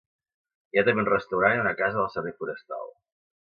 Hi ha també un restaurant i una casa del servei forestal.